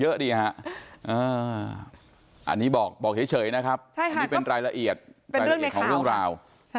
อันนี้บอกเฉยนะครับอันนี้เป็นรายละเอียดรายละเอียดของเรื่องราว